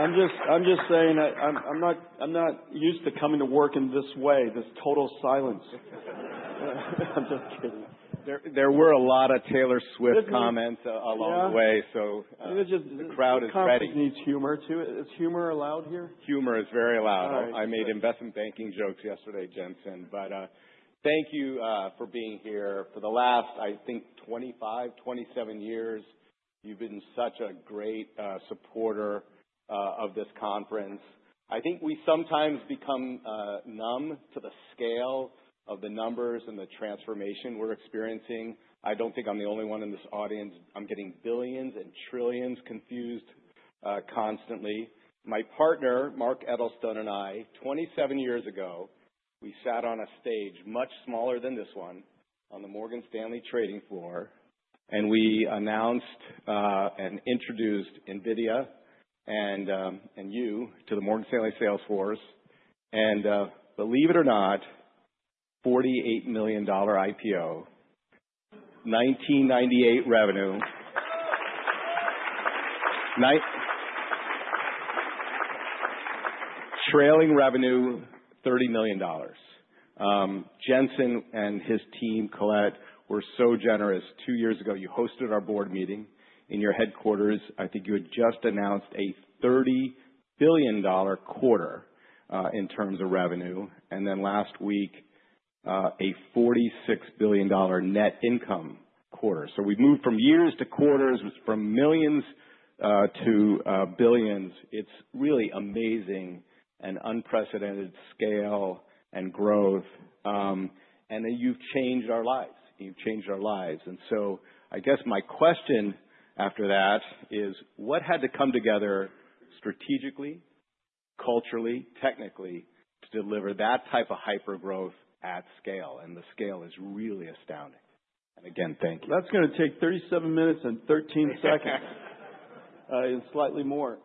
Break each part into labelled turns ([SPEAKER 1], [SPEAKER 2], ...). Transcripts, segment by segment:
[SPEAKER 1] I'm just saying I'm not used to coming to work in this way, this total silence. I'm just kidding.
[SPEAKER 2] There were a lot of Taylor Swift comments along the way.
[SPEAKER 1] Yeah.
[SPEAKER 2] The crowd is ready.
[SPEAKER 1] This conference needs humor too. Is humor allowed here?
[SPEAKER 2] Humor is very allowed.
[SPEAKER 1] All right.
[SPEAKER 3] I made investment banking jokes yesterday, Jensen, thank you for being here. For the last, I think, 25, 27 years, you've been such a great supporter of this conference. I think we sometimes become numb to the scale of the numbers and the transformation we're experiencing. I don't think I'm the only one in this audience. I'm getting billions and trillions confused constantly. My partner, Mark Edelstone and I, 27 years ago, we sat on a stage much smaller than this one on the Morgan Stanley trading floor, we announced and introduced NVIDIA and you to the Morgan Stanley sales force. Believe it or not, $48 million IPO, 1998 revenue. Trailing revenue, $30 million. Jensen and his team, Colette, were so generous.
[SPEAKER 2] Two years ago, you hosted our board meeting in your headquarters. I think you had just announced a $30 billion quarter, in terms of revenue. Then last week, a $46 billion net income quarter. We've moved from years to quarters, from millions, to billions. It's really amazing and unprecedented scale and growth. Then you've changed our lives. You've changed our lives. I guess my question after that is what had to come together strategically, culturally, technically, to deliver that type of hypergrowth at scale? The scale is really astounding. Again, thank you.
[SPEAKER 1] That's gonna take 37 minutes and 13 seconds, and slightly more.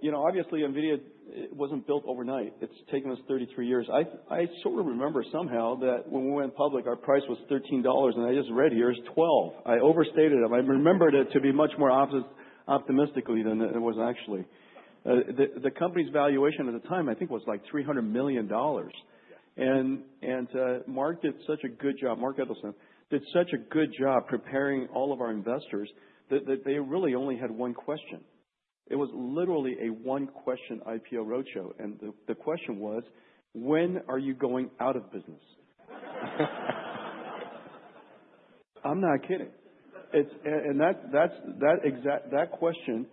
[SPEAKER 1] You know, obviously, NVIDIA, it wasn't built overnight. It's taken us 33 years. I sort of remember somehow that when we went public, our price was $13, and I just read here it's $12. I overstated it. I remembered it to be much more optimistically than it was actually. The company's valuation at the time, I think, was like $300 million.
[SPEAKER 2] Yeah.
[SPEAKER 1] Mark Edelstone did such a good job preparing all of our investors that they really only had 1 question. It was literally a one-question IPO roadshow, and the question was, "When are you going out of business?" I'm not kidding. That question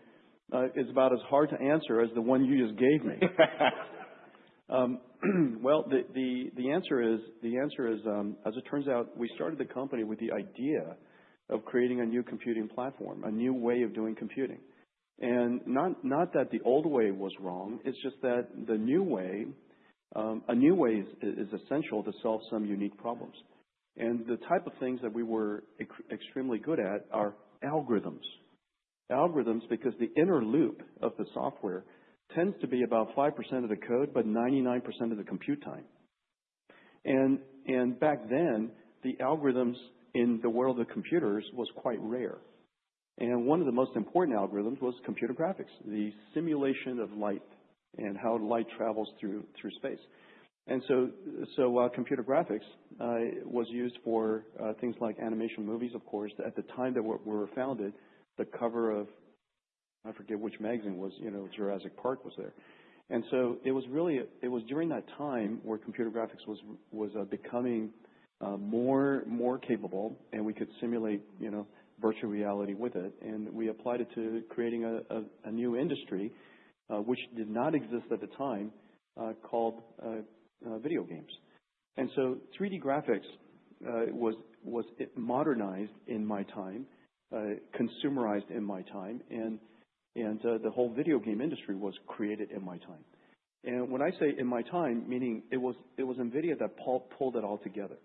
[SPEAKER 1] is about as hard to answer as the 1 you just gave me. Well, the answer is, as it turns out, we started the company with the idea of creating a new computing platform, a new way of doing computing. Not that the old way was wrong, it's just that the new way, a new way is essential to solve some unique problems. The type of things that we were extremely good at are algorithms. Algorithms because the inner loop of the software tends to be about 5% of the code, but 99% of the compute time. Back then, the algorithms in the world of computers was quite rare. One of the most important algorithms was computer graphics, the simulation of light and how light travels through space. Computer graphics was used for things like animation movies, of course. At the time that we were founded, the cover of, I forget which magazine was, you know, Jurassic Park was there. It was during that time where computer graphics was becoming more capable and we could simulate, you know, virtual reality with it. We applied it to creating a new industry, which did not exist at the time, called video games. 3D graphics was modernized in my time, consumerized in my time, and the whole video game industry was created in my time. When I say in my time, meaning it was NVIDIA that pulled it all together.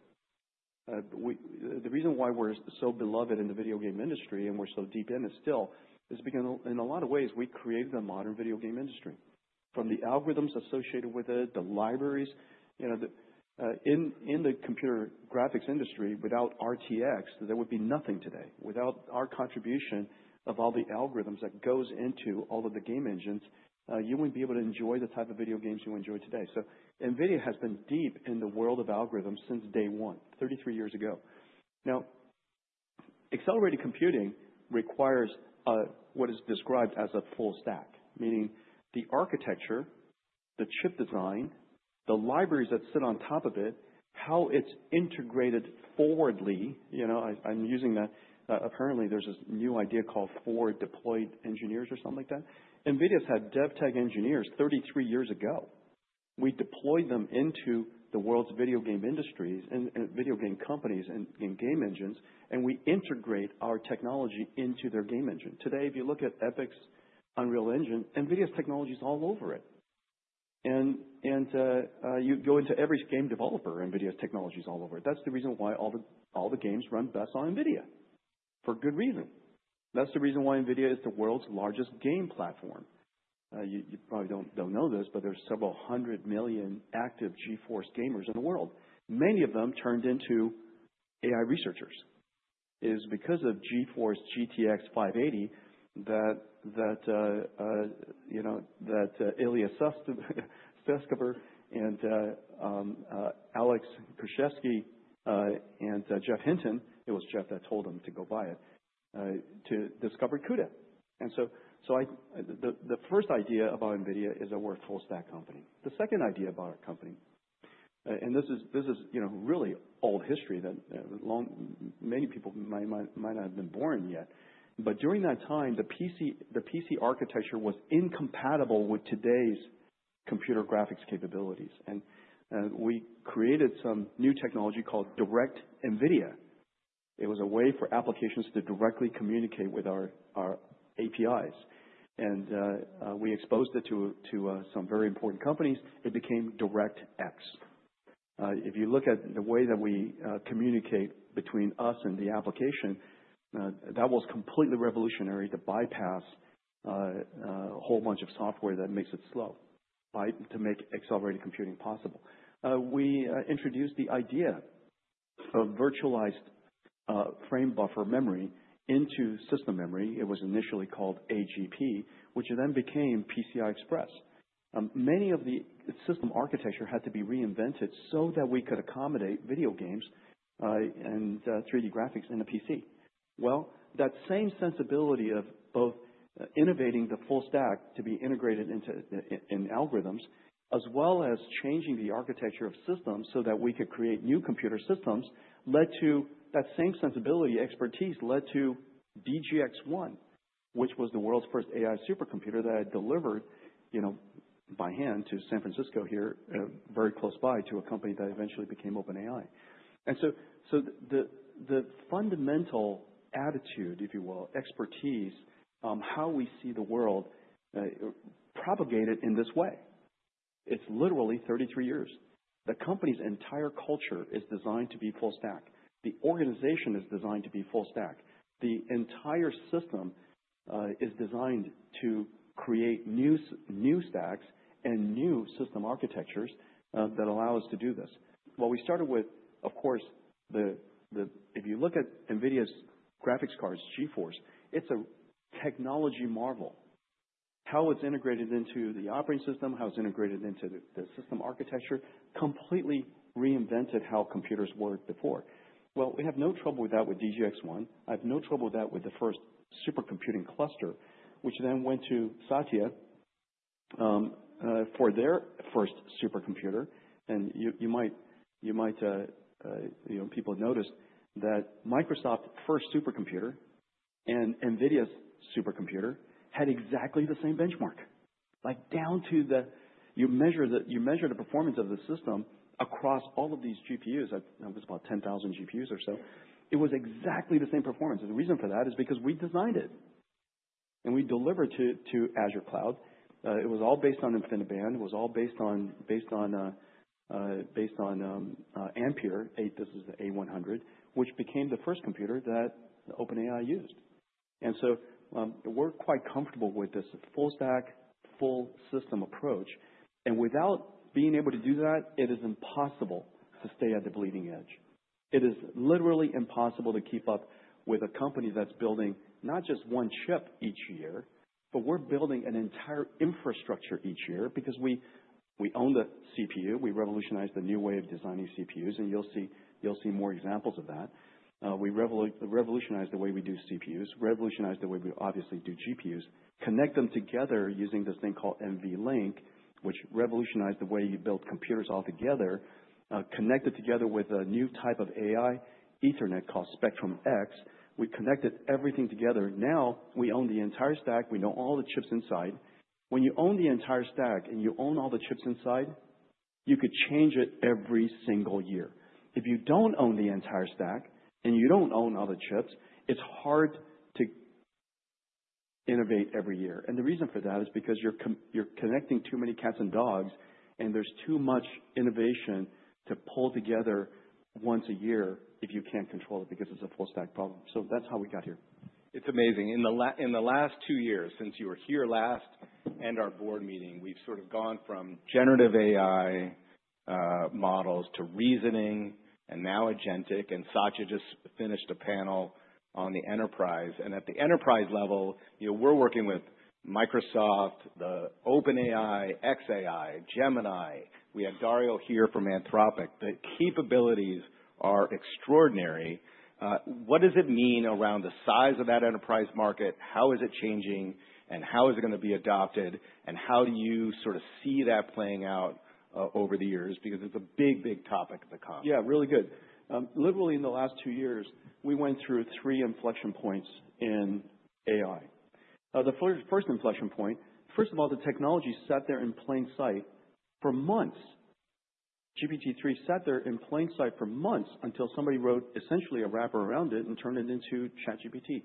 [SPEAKER 1] The reason why we're so beloved in the video game industry and we're so deep in it still is because in a lot of ways we created the modern video game industry, from the algorithms associated with it, the libraries. You know, the in the computer graphics industry, without RTX, there would be nothing today. Without our contribution of all the algorithms that goes into all of the game engines, you wouldn't be able to enjoy the type of video games you enjoy today. NVIDIA has been deep in the world of algorithms since day one, 33 years ago. Now, accelerated computing requires what is described as a full stack. Meaning the architecture, the chip design, the libraries that sit on top of it, how it's integrated forwardly. You know, I'm using that. Apparently there's this new idea called forward deployed engineers or something like that. NVIDIA's had DevTech engineers 33 years ago. We deployed them into the world's video game industries and video game companies in game engines, and we integrate our technology into their game engine. Today, if you look at Epic's Unreal Engine, NVIDIA's technology is all over it. You go into every game developer, NVIDIA's technology is all over it. That's the reason why all the games run best on NVIDIA, for good reason. That's the reason why NVIDIA is the world's largest game platform. You probably don't know this, but there's several hundred million active GeForce gamers in the world, many of them turned into AI researchers. Is because of GeForce GTX 580 that, you know, that Ilya Sutskever and Alex Krizhevsky and Jeff Hinton, it was Jeff that told him to go buy it to discover CUDA. The first idea about NVIDIA is that we're a full stack company. The second idea about our company, you know, really old history that long many people might not have been born yet. During that time, the PC architecture was incompatible with today's computer graphics capabilities. We created some new technology called Direct NVIDIA. It was a way for applications to directly communicate with our APIs, we exposed it to some very important companies. It became DirectX. If you look at the way that we communicate between us and the application, that was completely revolutionary to bypass a whole bunch of software that makes it slow to make accelerated computing possible. We introduced the idea of virtualized frame buffer memory into system memory. It was initially called AGP, which then became PCI Express. Many of the system architecture had to be reinvented so that we could accommodate video games and 3D graphics in a PC. Well, that same sensibility of both innovating the full stack to be integrated into in algorithms, as well as changing the architecture of systems so that we could create new computer systems, led to that same sensibility expertise, led to DGX-1, which was the world's first AI supercomputer that I delivered, you know, by hand to San Francisco here, very close by to a company that eventually became OpenAI. The fundamental attitude, if you will, expertise on how we see the world, propagated in this way. It's literally 33 years. The company's entire culture is designed to be full stack. The organization is designed to be full stack. The entire system is designed to create new stacks and new system architectures that allow us to do this. What we started with, of course, if you look at NVIDIA's graphics cards, GeForce, it's a technology marvel. How it's integrated into the operating system, how it's integrated into the system architecture completely reinvented how computers worked before. Well, we have no trouble with that with DGX-1. I have no trouble with that with the first supercomputing cluster, which then went to Satya for their first supercomputer. You know, people have noticed that Microsoft first supercomputer and NVIDIA's supercomputer had exactly the same benchmark, like down to the. You measure the performance of the system across all of these GPUs. It was about 10,000 GPUs or so. It was exactly the same performance. The reason for that is because we designed it and we delivered to Azure Cloud. It was all based on InfiniBand, was all based on, based on, based on Ampere eight. This is the A100, which became the first computer that OpenAI used. We're quite comfortable with this full stack, full system approach. Without being able to do that, it is impossible to stay at the bleeding edge. It is literally impossible to keep up with a company that's building not just one chip each year, but we're building an entire infrastructure each year because we own the CPU. We revolutionized the new way of designing CPUs, and you'll see more examples of that. We revolutionized the way we do CPUs, revolutionized the way we obviously do GPUs, connect them together using this thing called NVLink, which revolutionized the way you build computers altogether, connected together with a new type of AI Ethernet called Spectrum-X. We connected everything together. Now we own the entire stack. We know all the chips inside. When you own the entire stack and you own all the chips inside, you could change it every single year. If you don't own the entire stack and you don't own all the chips, it's hard to innovate every year. The reason for that is because you're connecting too many cats and dogs, and there's too much innovation to pull together once a year if you can't control it, because it's a full stack problem. That's how we got here.
[SPEAKER 2] It's amazing. In the last two years since you were here last and our board meeting, we've sort of gone from generative AI models to reasoning and now agentic. Satya just finished a panel on the enterprise. At the enterprise level, you know, we're working with Microsoft, the OpenAI, xAI, Gemini. We have Dario here from Anthropic. The capabilities are extraordinary. What does it mean around the size of that enterprise market? How is it changing and how is it gonna be adopted? How do you sort of see that playing out over the years because it's a big, big topic of the con.
[SPEAKER 1] Yeah, really good. Literally in the last 2 years, we went through 3 inflection points in AI. The first inflection point, first of all, the technology sat there in plain sight for months. GPT-3 sat there in plain sight for months until somebody wrote essentially a wrapper around it and turned it into ChatGPT,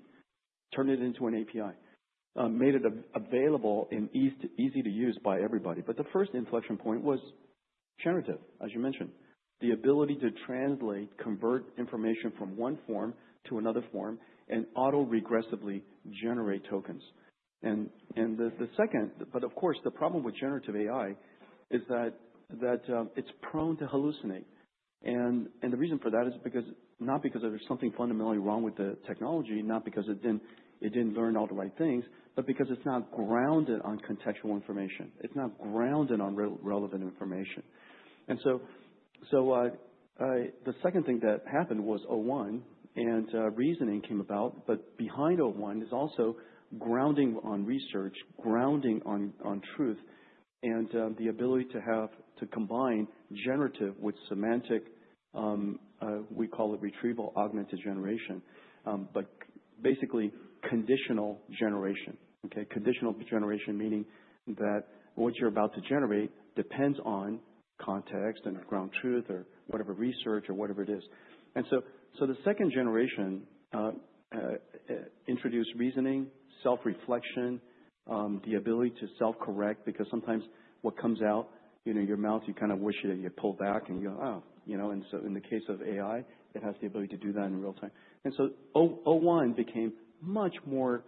[SPEAKER 1] turned it into an API, made it available and easy to use by everybody. The first inflection point was generative, as you mentioned. The ability to translate, convert information from one form to another form. Auto regressively generate tokens. The second, of course, the problem with generative AI is that it's prone to hallucinate. The reason for that is because... not because there's something fundamentally wrong with the technology, not because it didn't learn all the right things, but because it's not grounded on contextual information. It's not grounded on relevant information. The second thing that happened was o1 and reasoning came about. Behind o1 is also grounding on research, grounding on truth and the ability to combine generative with semantic, we call it Retrieval-Augmented Generation, but basically conditional generation. Okay? Conditional generation meaning that what you're about to generate depends on context and ground truth or whatever research or whatever it is. The second generation introduced reasoning, self-reflection, the ability to self-correct, because sometimes what comes out, you know, your mouth, you kind of wish that you pulled back and you go, "Oh," you know. In the case of AI, it has the ability to do that in real time. o1 became much more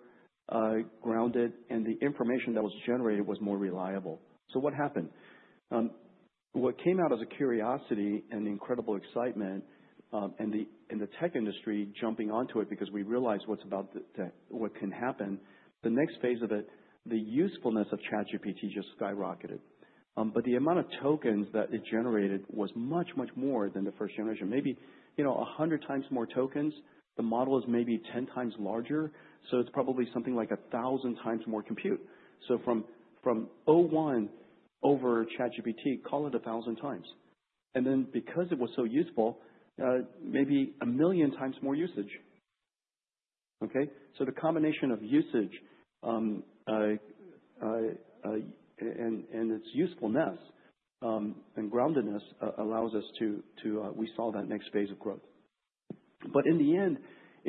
[SPEAKER 1] grounded, and the information that was generated was more reliable. What happened? What came out as a curiosity and incredible excitement, and the tech industry jumping onto it because we realized what can happen, the next phase of it, the usefulness of ChatGPT just skyrocketed. The amount of tokens that it generated was much, much more than the first generation. Maybe, you know, 100x more tokens. The model is maybe 10x larger, so it's probably something like 1,000x more compute. From o1 over ChatGPT, call it 1,000x. Because it was so useful, maybe 1 million times more usage. Okay? The combination of usage, and its usefulness, and groundedness, allows us to, we saw that next phase of growth. In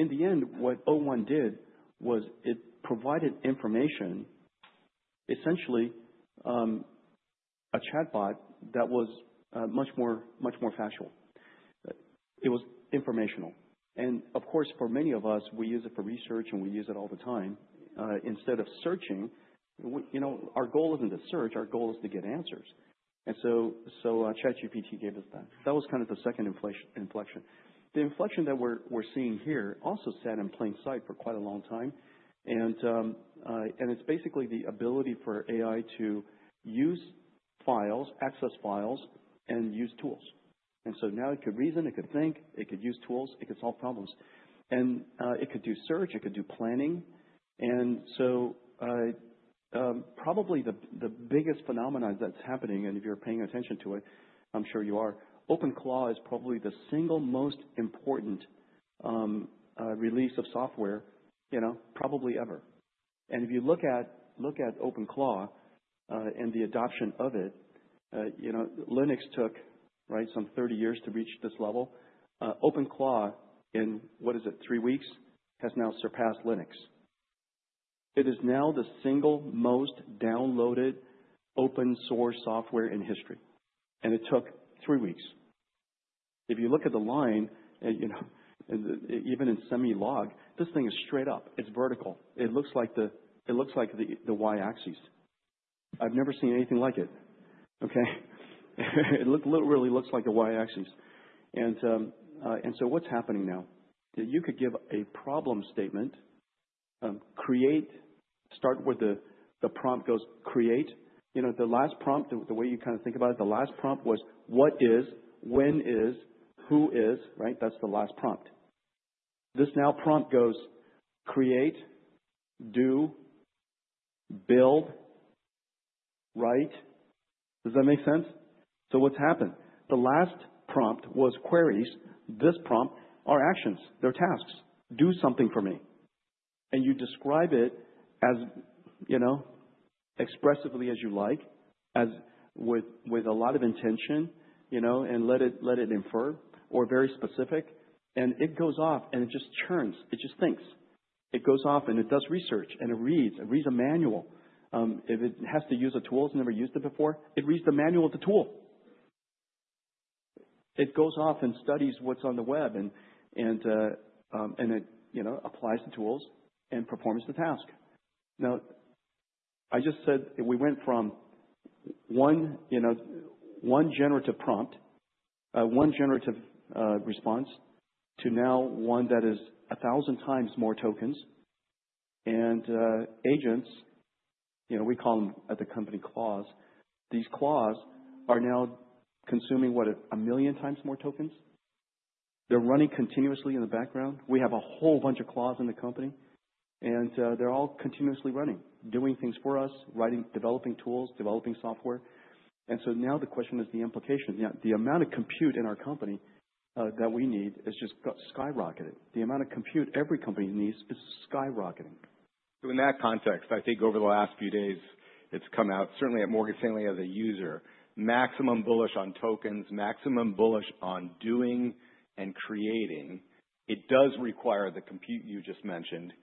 [SPEAKER 1] the end, what o1 did was it provided information, essentially, a chatbot that was much more factual. It was informational. Of course, for many of us, we use it for research and we use it all the time. Instead of searching, you know, our goal isn't to search, our goal is to get answers. ChatGPT gave us that. That was kind of the second inflection. The inflection that we're seeing here also sat in plain sight for quite a long time. It's basically the ability for AI to use files, access files, and use tools. Now it could reason, it could think, it could use tools, it could solve problems. It could do search, it could do planning. Probably the biggest phenomenon that's happening, and if you're paying attention to it, I'm sure you are, OpenClaw is probably the single most important release of software, you know, probably ever. If you look at OpenClaw and the adoption of it, you know, Linux took, right, some 30 years to reach this level. OpenClaw in, what is it, 3 weeks, has now surpassed Linux. It is now the single most downloaded open source software in history, and it took 3 weeks. If you look at the line, you know, even in semi-log, this thing is straight up. It's vertical. It looks like the, it looks like the Y-axis. I've never seen anything like it. Okay? It really looks like a Y-axis. What's happening now? That you could give a problem statement, Start where the prompt goes create. You know, the last prompt, the way you kind of think about it, was what is, when is, who is, right? That's the last prompt. This now prompt goes create, do, build, write. Does that make sense? What's happened? The last prompt was queries. This prompt are actions. They're tasks. Do something for me. You describe it as, you know, expressively as you like, as with a lot of intention, you know, and let it infer or very specific. It goes off and it just churns. It just thinks. It goes off and it does research and it reads. It reads a manual. If it has to use a tool it's never used it before, it reads the manual of the tool. It goes off and studies what's on the web and it, you know, applies the tools and performs the task. Now, I just said we went from one, you know, one generative prompt, one generative response to now one that is 1,000 times more tokens. Agents, you know, we call them at the company OpenClaw. These claws are now consuming, what, 1 million times more tokens. They're running continuously in the background. We have a whole bunch of claws in the company, they're all continuously running, doing things for us, writing, developing tools, developing software. Now the question is the implication. The amount of compute in our company that we need has just got skyrocketed. The amount of compute every company needs is skyrocketing.
[SPEAKER 2] In that context, I think over the last few days it's come out, certainly at Morgan Stanley as a user, maximum bullish on tokens, maximum bullish on doing and creating. It does require the compute you just mentioned.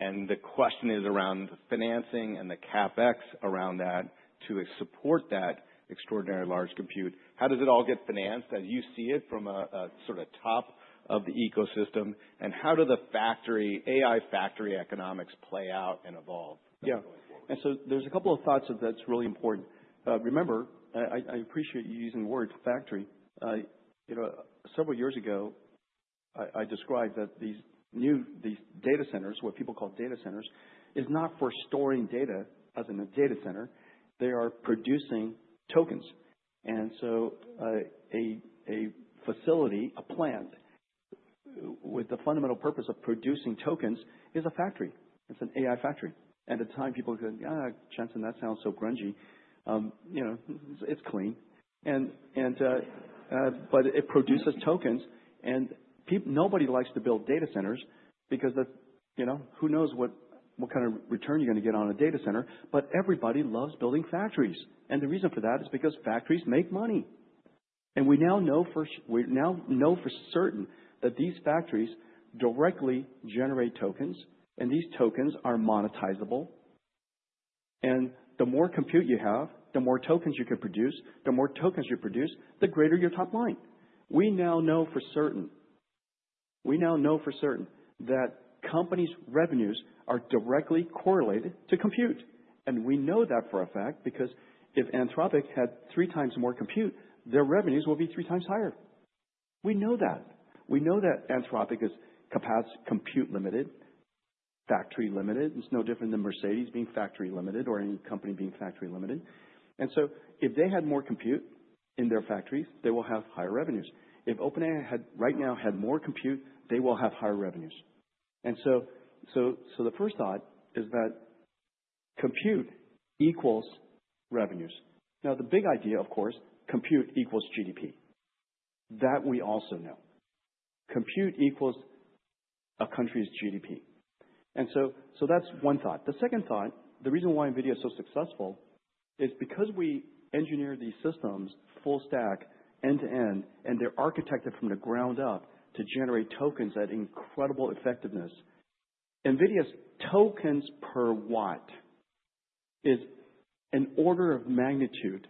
[SPEAKER 2] The question is around the financing and the CapEx around that to support that extraordinary large compute. How does it all get financed, as you see it, from a sort of top of the ecosystem? How do the AI factory economics play out and evolve?
[SPEAKER 1] Yeah. There's a couple of thoughts that's really important. Remember, I appreciate you using the word factory. You know, several years ago, I described that these data centers, what people call data centers, is not for storing data as in a data center. They are producing tokens. A facility, a plant with the fundamental purpose of producing tokens is a factory. It's an AI factory. At the time people went, "Jensen, that sounds so grungy." You know, it's clean. But it produces tokens and nobody likes to build data centers because, you know, who knows what kind of return you're gonna get on a data center, but everybody loves building factories. The reason for that is because factories make money. We now know for certain that these factories directly generate tokens, and these tokens are monetizable. The more compute you have, the more tokens you can produce, the more tokens you produce, the greater your top line. We now know for certain that companies' revenues are directly correlated to compute. We know that for a fact because if Anthropic had 3x more compute, their revenues will be 3x higher. We know that. We know that Anthropic is compute limited, factory limited. It's no different than Mercedes being factory limited or any company being factory limited. If they had more compute in their factories, they will have higher revenues. If OpenAI had, right now, had more compute, they will have higher revenues. The first thought is that compute equals revenues. The big idea, of course, compute equals GDP. That we also know. Compute equals a country's GDP. That's one thought. The second thought, the reason why NVIDIA is so successful is because we engineer these systems full stack end-to-end, and they're architected from the ground up to generate tokens at incredible effectiveness. NVIDIA's tokens per watt is an order of magnitude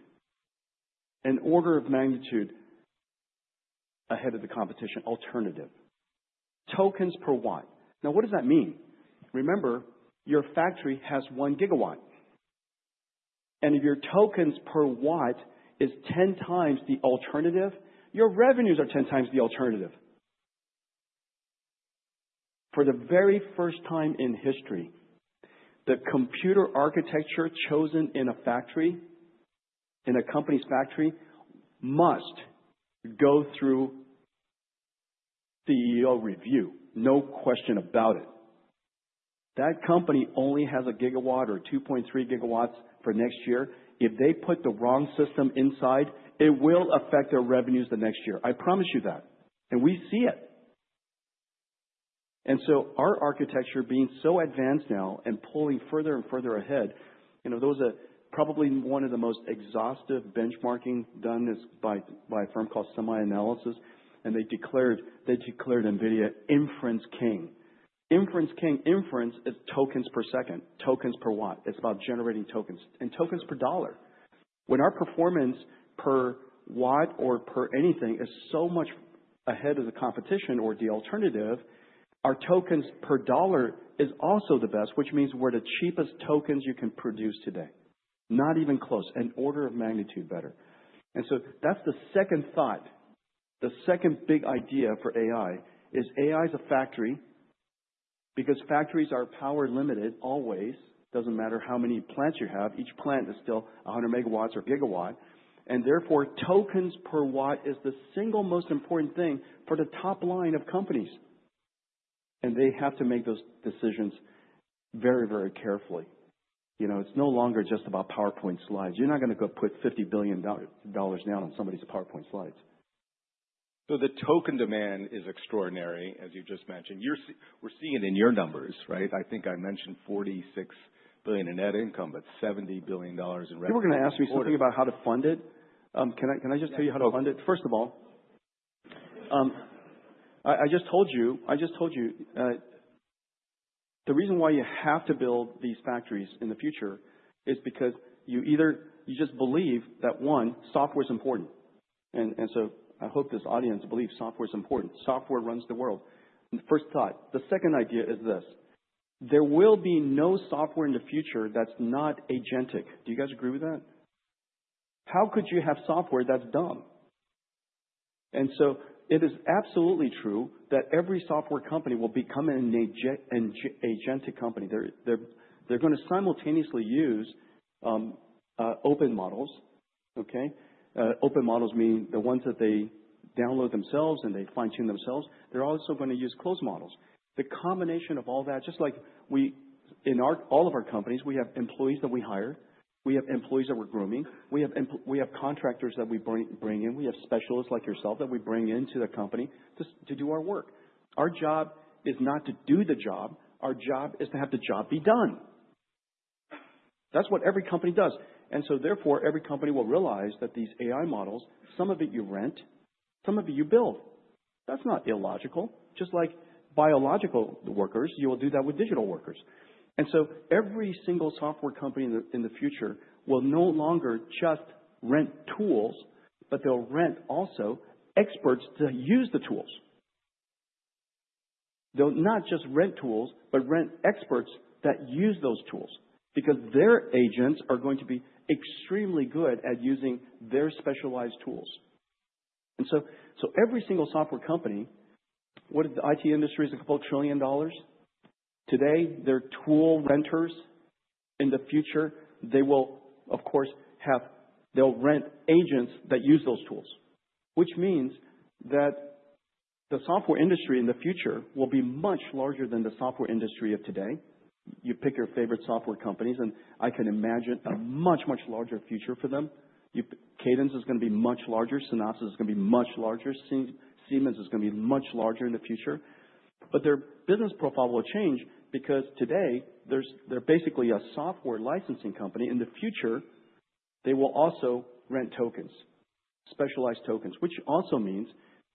[SPEAKER 1] ahead of the competition alternative. Tokens per watt. What does that mean? Remember, your factory has 1 gigawatt, and if your tokens per watt is 10x the alternative, your revenues are 10x the alternative. For the very first time in history, the computer architecture chosen in a company's factory must go through CEO review, no question about it. That company only has a gigawatt or 2.3 gigawatts for next year. If they put the wrong system inside, it will affect their revenues the next year. I promise you that. We see it. Our architecture being so advanced now and pulling further and further ahead, you know, those are probably one of the most exhaustive benchmarking done is by a firm called SemiAnalysis, they declared NVIDIA inference king. Inference king. Inference is tokens per second, tokens per watt. It's about generating tokens and tokens per dollar. When our performance per watt or per anything is so much ahead of the competition or the alternative, our tokens per dollar is also the best, which means we're the cheapest tokens you can produce today. Not even close. An order of magnitude better. That's the second thought. The second big idea for AI is AI is a factory. Factories are power-limited always, doesn't matter how many plants you have, each plant is still 100 megawatts or 1 gigawatt, and therefore, tokens per watt is the single most important thing for the top line of companies. They have to make those decisions very, very carefully. You know, it's no longer just about PowerPoint slides. You're not gonna go put $50 billion dollars down on somebody's PowerPoint slides.
[SPEAKER 2] The token demand is extraordinary, as you just mentioned. We're seeing it in your numbers, right? I think I mentioned $46 billion in net income, but $70 billion in revenue.
[SPEAKER 1] You were gonna ask me something about how to fund it. Can I just tell you how to fund it?
[SPEAKER 2] Yes.
[SPEAKER 1] First of all, I just told you, the reason why you have to build these factories in the future is because you either. You just believe that, 1, software is important. I hope this audience believes software is important. Software runs the world. First thought. The second idea is this: there will be no software in the future that's not agentic. Do you guys agree with that? How could you have software that's dumb? It is absolutely true that every software company will become an agentic company. They're gonna simultaneously use open models, okay? Open models mean the ones that they download themselves and they fine-tune themselves. They're also gonna use closed models. The combination of all that, just like all of our companies, we have employees that we hire, we have employees that we're grooming, we have contractors that we bring in, we have specialists like yourself that we bring into the company just to do our work. Our job is not to do the job. Our job is to have the job be done. That's what every company does. Therefore, every company will realize that these AI models, some of it you rent, some of it you build. That's not illogical. Just like biological workers, you will do that with digital workers. Every single software company in the future will no longer just rent tools, but they'll rent also experts to use the tools. They'll not just rent tools, but rent experts that use those tools because their agents are going to be extremely good at using their specialized tools. Every single software company, what is the IT industry, is a couple trillion dollars. Today, they're tool renters. In the future, they will of course they'll rent agents that use those tools. Means that the software industry in the future will be much larger than the software industry of today. You pick your favorite software companies, and I can imagine a much larger future for them. Cadence is gonna be much larger. Synopsys is gonna be much larger. Siemens is gonna be much larger in the future, but their business profile will change because today they're basically a software licensing company. In the future, they will also rent tokens, specialized tokens, which also means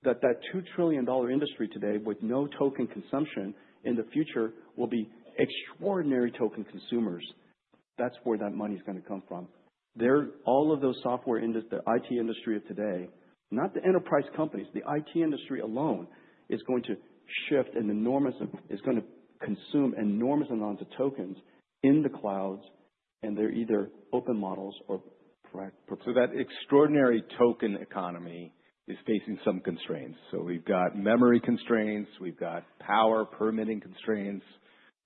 [SPEAKER 1] that $2 trillion industry today with no token consumption in the future will be extraordinary token consumers. That's where that money's gonna come from. All of those software the IT industry of today, not the enterprise companies, the IT industry alone is gonna consume enormous amounts of tokens in the clouds, and they're either open models or private.
[SPEAKER 2] That extraordinary token economy is facing some constraints. We've got memory constraints. We've got power permitting constraints.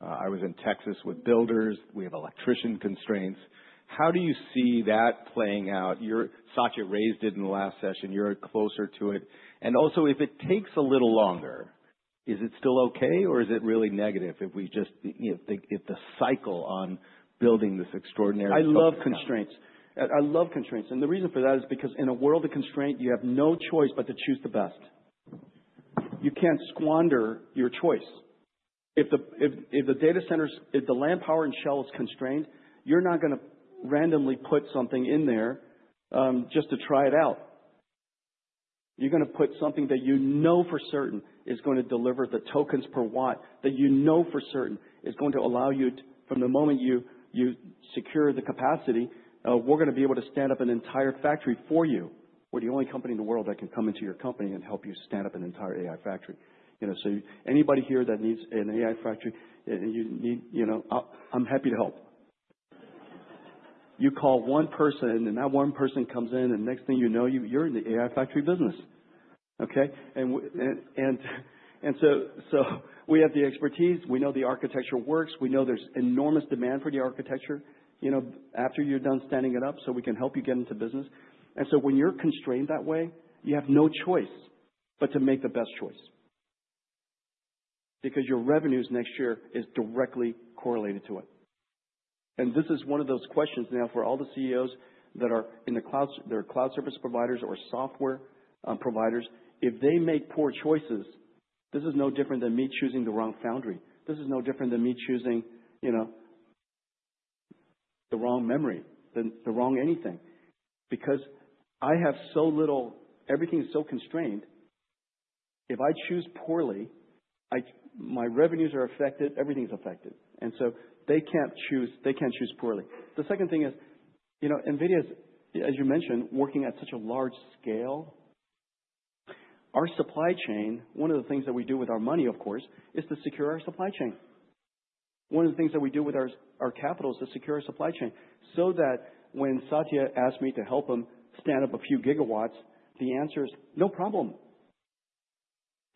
[SPEAKER 2] I was in Texas with builders. We have electrician constraints. How do you see that playing out? Satya raised it in the last session. You're closer to it. Also, if it takes a little longer, is it still okay, or is it really negative if we just, you know, the cycle on building this extraordinary token economy?
[SPEAKER 1] I love constraints. I love constraints. The reason for that is because in a world of constraint, you have no choice but to choose the best. You can't squander your choice. If the data centers, if the land, power, and shell is constrained, you're not gonna randomly put something in there, just to try it out. You're gonna put something that you know for certain is gonna deliver the tokens per watt that you know for certain is going to allow you from the moment you secure the capacity, we're gonna be able to stand up an entire factory for you. We're the only company in the world that can come into your company and help you stand up an entire AI factory. You know, anybody here that needs an AI factory, you know, I'm happy to help. You call one person, and that one person comes in, and next thing you know, you're in the AI factory business. Okay? We have the expertise. We know the architecture works. We know there's enormous demand for the architecture, you know, after you're done standing it up, so we can help you get into business. When you're constrained that way, you have no choice but to make the best choice. Because your revenues next year is directly correlated to it. This is one of those questions now for all the CEOs that are in the cloud service providers or software providers. If they make poor choices, this is no different than me choosing the wrong foundry. This is no different than me choosing, you know, the wrong memory, than the wrong anything. Because everything is so constrained, if I choose poorly, my revenues are affected, everything is affected. They can't choose poorly. The second thing is, you know, NVIDIA's, as you mentioned, working at such a large scale. Our supply chain, one of the things that we do with our money, of course, is to secure our supply chain. One of the things that we do with our capital is to secure our supply chain so that when Satya asks me to help him stand up a few gigawatts, the answer is, "No problem."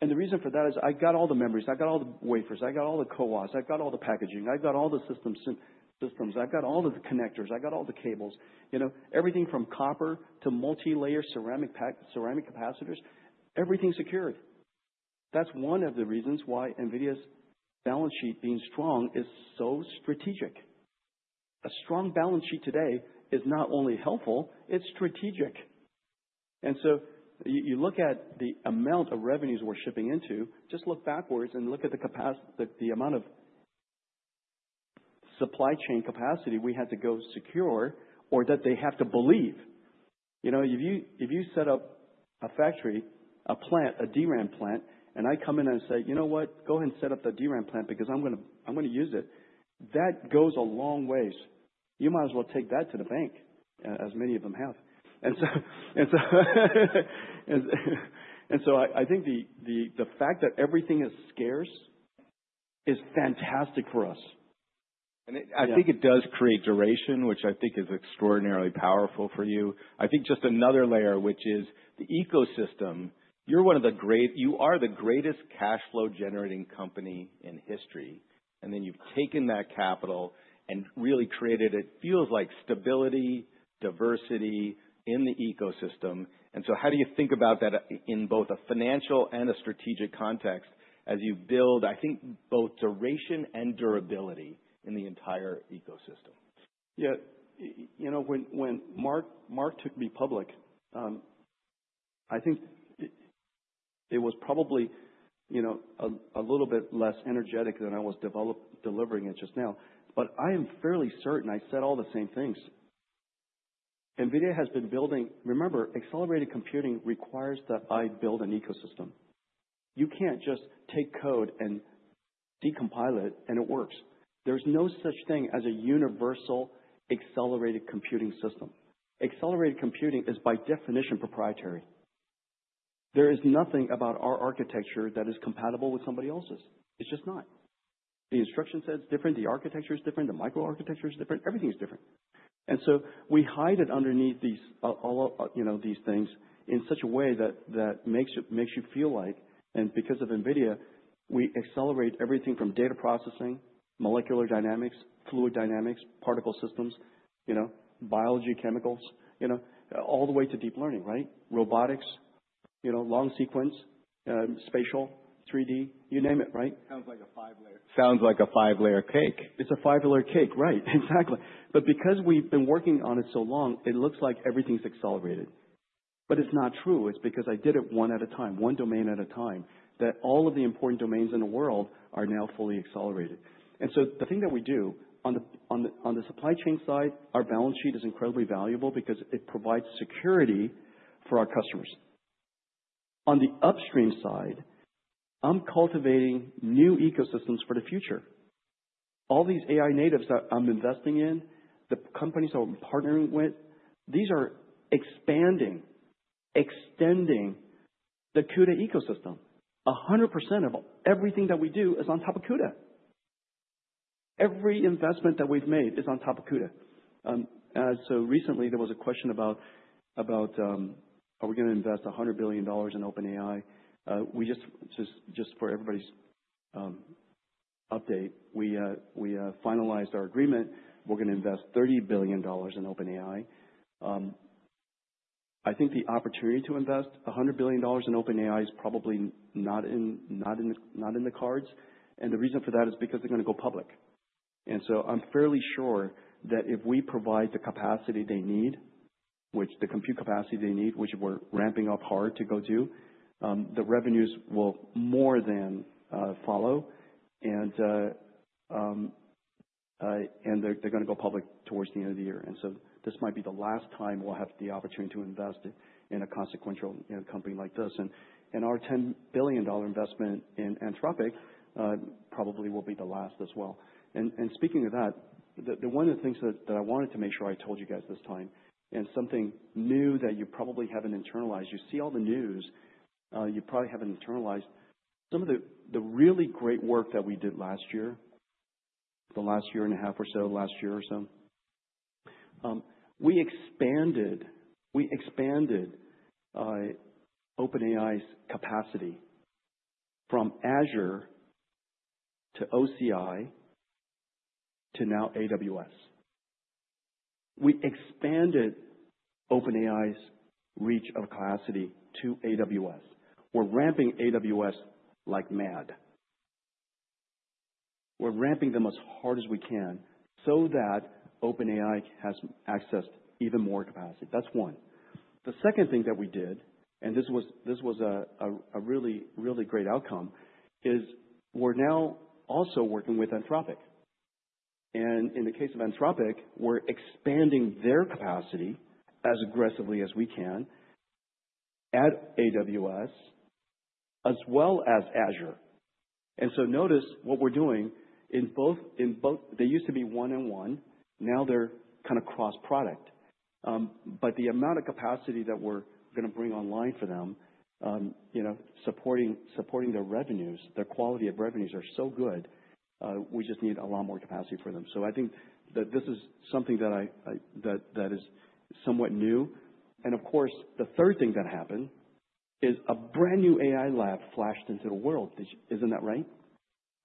[SPEAKER 1] The reason for that is I got all the memories. I got all the wafers. I got all the CoWoS. I've got all the packaging. I've got all the systems. I've got all of the connectors. I got all the cables. You know, everything from copper to multilayer ceramic capacitors, everything's secured. That's one of the reasons why NVIDIA's balance sheet being strong is so strategic. A strong balance sheet today is not only helpful, it's strategic. You look at the amount of revenues we're shipping into, just look backwards and look at the amount of supply chain capacity we had to go secure or that they have to believe. You know, if you set up a factory, a plant, a DRAM plant, and I come in and say, "You know what? Go ahead and set up the DRAM plant because I'm gonna use it," that goes a long way. You might as well take that to the bank, as many of them have. I think the fact that everything is scarce is fantastic for us.
[SPEAKER 2] And it-
[SPEAKER 1] Yeah.
[SPEAKER 2] I think it does create duration, which I think is extraordinarily powerful for you. I think just another layer, which is the ecosystem. You are the greatest cash flow generating company in history. Then you've taken that capital and really created, it feels like stability, diversity in the ecosystem. So how do you think about that in both a financial and a strategic context as you build, I think, both duration and durability in the entire ecosystem?
[SPEAKER 1] Yeah. You know, when Mark took me public, I think it was probably, you know, a little bit less energetic than I was delivering it just now, but I am fairly certain I said all the same things. NVIDIA has been building... Remember, accelerated computing requires that I build an ecosystem. You can't just take code and decompile it, and it works. There's no such thing as a universal accelerated computing system. Accelerated computing is by definition proprietary. There is nothing about our architecture that is compatible with somebody else's. It's just not. The instruction set's different, the architecture is different, the microarchitecture is different. Everything is different. We hide it underneath these, all, you know, these things in such a way that makes you feel like and because of NVIDIA, we accelerate everything from data processing, molecular dynamics, fluid dynamics, particle systems, you know, biology, chemicals, you know, all the way to deep learning, right? Robotics, you know, long sequence, spatial, three-D, you name it, right?
[SPEAKER 2] Sounds like a five-layer cake.
[SPEAKER 1] It's a five-layer cake. Right. Exactly. Because we've been working on it so long, it looks like everything's accelerated. It's not true. It's because I did it one at a time, one domain at a time, that all of the important domains in the world are now fully accelerated. The thing that we do on the, on the, on the supply chain side, our balance sheet is incredibly valuable because it provides security for our customers. On the upstream side, I'm cultivating new ecosystems for the future. All these AI natives that I'm investing in, the companies that we're partnering with, these are expanding, extending the CUDA ecosystem. 100% of everything that we do is on top of CUDA. Every investment that we've made is on top of CUDA. Recently there was a question about, are we gonna invest $100 billion in OpenAI? We just for everybody's update, we finalized our agreement. We're gonna invest $30 billion in OpenAI. I think the opportunity to invest $100 billion in OpenAI is probably not in the cards. The reason for that is because they're gonna go public. I'm fairly sure that if we provide the capacity they need, which the compute capacity they need, which we're ramping up hard to go to, the revenues will more than follow. They're gonna go public towards the end of the year. This might be the last time we'll have the opportunity to invest in a consequential, you know, company like this. Our $10 billion investment in Anthropic probably will be the last as well. Speaking of that, the one of the things that I wanted to make sure I told you guys this time, and something new that you probably haven't internalized, you see all the news, you probably haven't internalized some of the really great work that we did last year, the last year and a half or so, last year or so. We expanded OpenAI's capacity from Azure to OCI to now AWS. We expanded OpenAI's reach of capacity to AWS. We're ramping AWS like mad. We're ramping them as hard as we can so that OpenAI has access to even more capacity. That's one. The second thing that we did, this was a really, really great outcome, is we're now also working with Anthropic. In the case of Anthropic, we're expanding their capacity as aggressively as we can at AWS as well as Azure. Notice what we're doing in both, they used to be one on one, now they're kinda cross-product. The amount of capacity that we're gonna bring online for them, you know, supporting their revenues, their quality of revenues are so good, we just need a lot more capacity for them. I think that this is something that is somewhat new. Of course, the third thing that happened is a brand new AI lab flashed into the world. Isn't that right?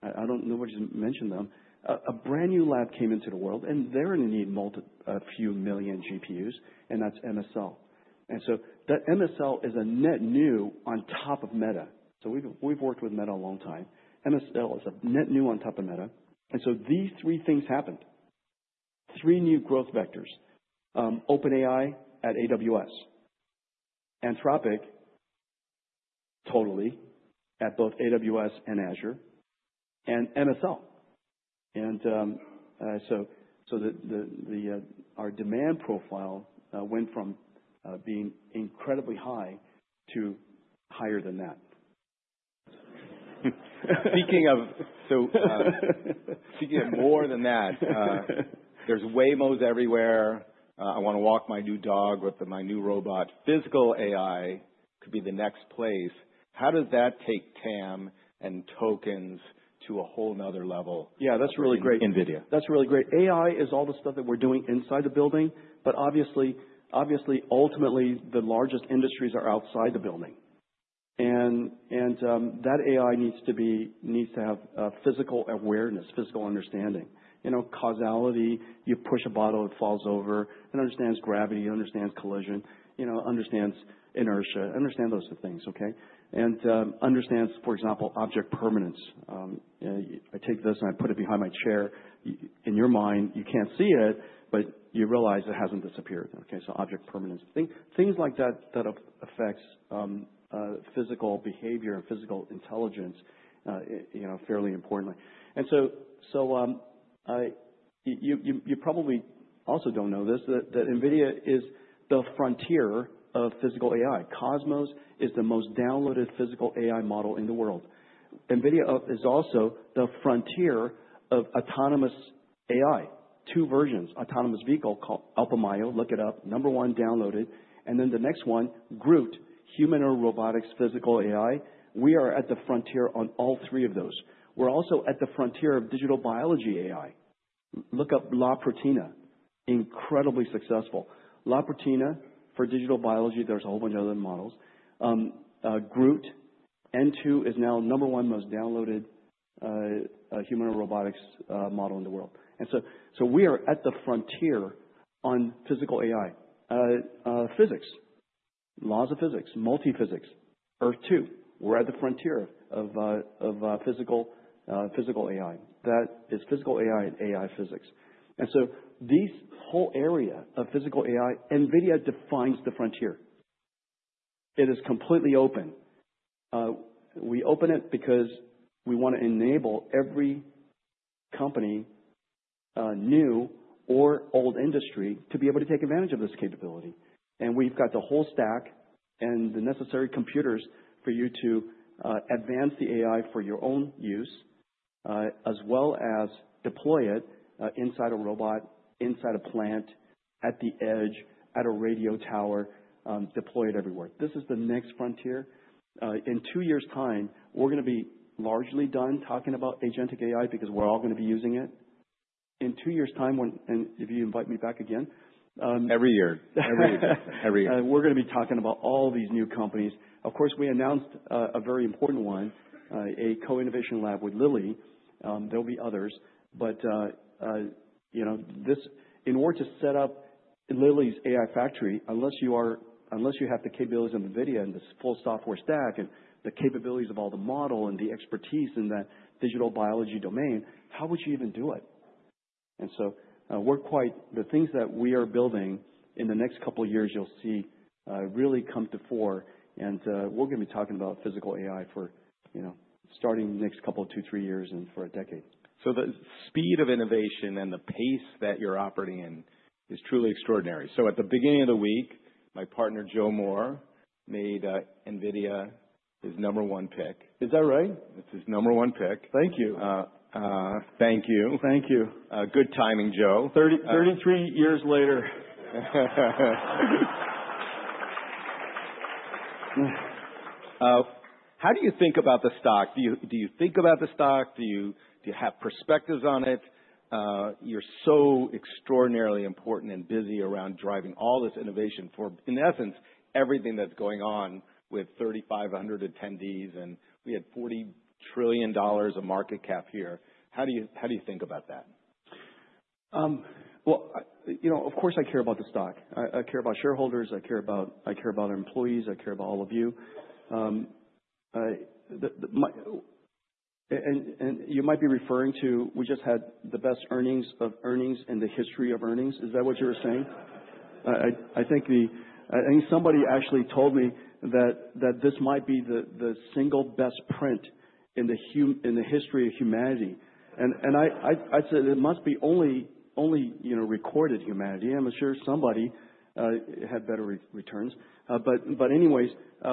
[SPEAKER 1] I don't know who mentioned them. A brand-new lab came into the world, and they're in need a few million GPUs, and that's MSL. That MSL is a net new on top of Meta. We've worked with Meta a long time. MSL is a net new on top of Meta. These three things happened, three new growth vectors. OpenAI at AWS, Anthropic, totally at both AWS and Azure, and MSL. The our demand profile went from being incredibly high to higher than that.
[SPEAKER 2] Speaking of more than that, there's Waymo everywhere. I wanna walk my new dog with my new robot. Physical AI could be the next place. How does that take TAM and tokens to a whole another level?
[SPEAKER 1] Yeah, that's really great.
[SPEAKER 2] NVIDIA.
[SPEAKER 1] That's really great. AI is all the stuff that we're doing inside the building, but obviously, ultimately, the largest industries are outside the building. That AI needs to be, needs to have physical awareness, physical understanding. You know, causality, you push a bottle, it falls over and understands gravity, understands collision, you know, understands inertia, understand those things, okay? Understands, for example, object permanence. I take this and I put it behind my chair. In your mind, you can't see it, but you realize it hasn't disappeared. Okay, so object permanence. Things like that affects physical behavior and physical intelligence, you know, fairly importantly. You probably also don't know this, that NVIDIA is the frontier of physical AI. Cosmos is the most downloaded physical AI model in the world. NVIDIA is also the frontier of autonomous AI. Two versions, autonomous vehicle called Alpaca-Mayo. Look it up. Number one downloaded. Then the next one, GR00T, human or robotics physical AI. We are at the frontier on all three of those. We're also at the frontier of digital biology AI. Look up La Proteina. Incredibly successful. La Proteina for digital biology. There's a whole bunch of other models. GR00T is now number one most downloaded human or robotics model in the world. We are at the frontier on physical AI. Physics, laws of physics, multi-physics. Earth-2, we're at the frontier of physical physical AI. That is physical AI and AI physics. This whole area of physical AI, NVIDIA defines the frontier. It is completely open. We open it because we wanna enable every company, new or old industry, to be able to take advantage of this capability. We've got the whole stack and the necessary computers for you to advance the AI for your own use, as well as deploy it inside a robot, inside a plant, at the edge, at a radio tower, deploy it everywhere. This is the next frontier. In 2 years' time, we're gonna be largely done talking about agentic AI because we're all gonna be using it. In 2 years' time if you invite me back again.
[SPEAKER 2] Every year.
[SPEAKER 1] We're gonna be talking about all these new companies. Of course, we announced a very important one, a co-innovation lab with Lilly. There'll be others, but, you know, in order to set up Lilly's AI factory, unless you are, unless you have the capabilities of NVIDIA and this full software stack and the capabilities of all the model and the expertise in that digital biology domain, how would you even do it? The things that we are building, in the next couple of years you'll see, really come to fore. We're gonna be talking about physical AI for, you know, starting the next couple of two, three years and for a decade. The speed of innovation and the pace that you're operating in is truly extraordinary. At the beginning of the week, my partner, Joe Moore, made NVIDIA his number 1 pick. Is that right?
[SPEAKER 2] It's his number one pick.
[SPEAKER 1] Thank you.
[SPEAKER 2] Thank you.
[SPEAKER 1] Thank you.
[SPEAKER 2] Good timing, Joe.
[SPEAKER 1] 33 years later.
[SPEAKER 2] How do you think about the stock? Do you think about the stock? Do you have perspectives on it? You're so extraordinarily important and busy around driving all this innovation for, in essence, everything that's going on with 3,500 attendees, we have $40 trillion of market cap here. How do you think about that?
[SPEAKER 1] Well, you know, of course I care about the stock. I care about shareholders, I care about our employees, I care about all of you. You might be referring to, we just had the best earnings of earnings in the history of earnings. Is that what you're saying? I think somebody actually told me that, this might be the single best print in the history of humanity. I said it must be only, you know, recorded humanity. I'm sure somebody had better re-returns. But anyways,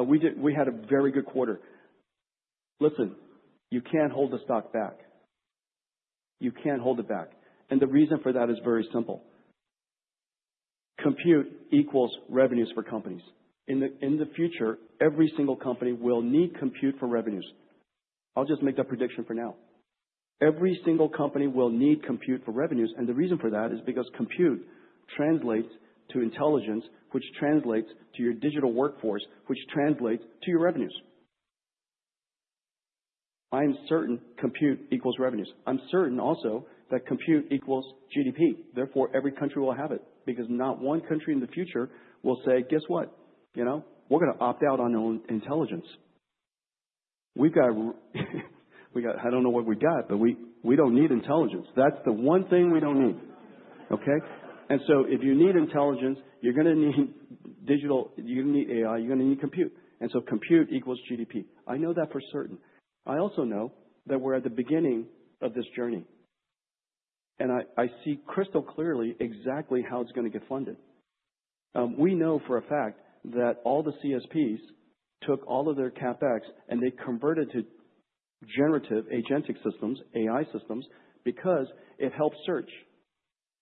[SPEAKER 1] we had a very good quarter. Listen, you can't hold the stock back. You can't hold it back. The reason for that is very simple. Compute equals revenues for companies. In the future, every single company will need compute for revenues. I'll just make that prediction for now. Every single company will need compute for revenues, and the reason for that is because compute translates to intelligence, which translates to your digital workforce, which translates to your revenues. I am certain compute equals revenues. I'm certain also that compute equals GDP. Therefore, every country will have it, because not one country in the future will say, "Guess what? You know, we're gonna opt out on intelligence. We've got I don't know what we got, but we don't need intelligence. That's the one thing we don't need." Okay? If you need intelligence, you're gonna need digital, you're gonna need AI, you're gonna need compute. Compute equals GDP. I know that for certain. I also know that we're at the beginning of this journey, and I see crystal clearly exactly how it's gonna get funded. We know for a fact that all the CSPs took all of their CapEx, and they converted to generative agentic systems, AI systems, because it helps search,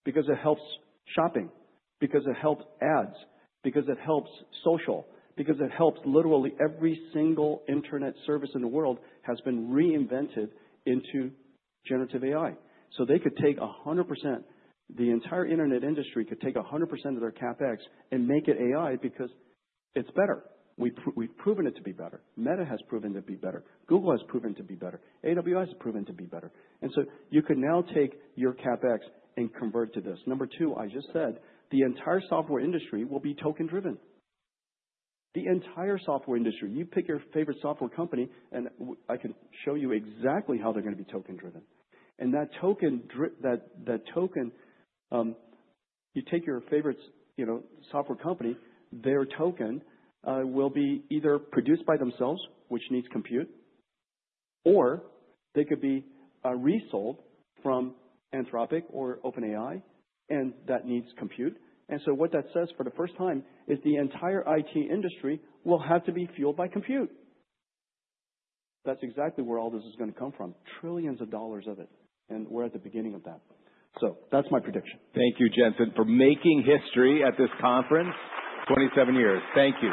[SPEAKER 1] because it helps shopping, because it helps ads, because it helps social, because it helps literally every single internet service in the world has been reinvented into generative AI. They could take 100%, the entire internet industry could take 100% of their CapEx and make it AI because it's better. We've proven it to be better. Meta has proven to be better. Google has proven to be better. AWS has proven to be better. You can now take your CapEx and convert to this. Number two, I just said the entire software industry will be token-driven. The entire software industry. You pick your favorite software company, and I can show you exactly how they're going to be token-driven. That token, you take your favorite, you know, software company, their token will be either produced by themselves, which needs compute, or they could be resold from Anthropic or OpenAI, and that needs compute. What that says for the first time is the entire IT industry will have to be fueled by compute. That's exactly where all this is going to come from, trillions of dollars of it, and we're at the beginning of that. That's my prediction.
[SPEAKER 2] Thank you, Jensen, for making history at this conference. 27 years. Thank you.